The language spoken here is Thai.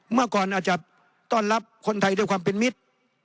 เมื่อก่อนอาจจะต้อนรับคนไทยด้วยความเป็นมิตร